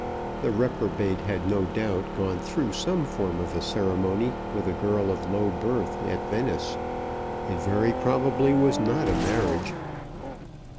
The reprobate had no doubt gone through some form of a ceremony with a girl of low birth at Venice. It very probably was not a marriage.